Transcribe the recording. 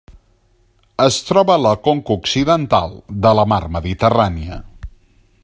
Es troba a la conca occidental de la Mar Mediterrània.